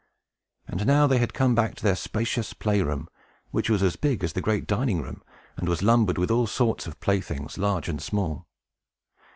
And now they had come back to their spacious play room, which was as big as the great drawing room, and was lumbered with all sorts of playthings, large and small.